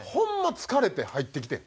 疲れて入ってきてん。